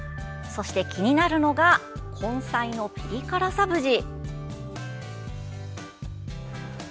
そして気になるのが根菜のピリ辛サブジ。